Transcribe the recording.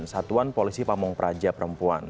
satuan polisi pamung praja perempuan